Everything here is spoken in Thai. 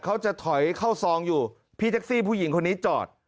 เขาจะถอยเข้าซองอยู่พี่แท็กซี่ผู้หญิงคนนี้จอด